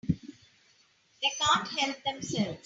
They can't help themselves.